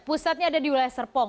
pusatnya ada di wilayah serpong